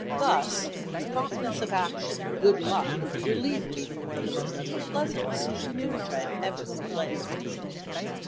Thus, promptness of action and good luck relieved me from one of the most unpleasant positions in which I had ever been placed.